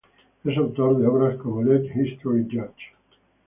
Es autor de obras como "Let History Judge.